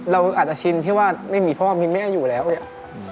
เราอาจจะชินที่ว่าไม่มีพ่อมีแม่อยู่แล้วเนี่ย